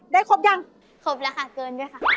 ครบยังครบแล้วค่ะเกินด้วยค่ะ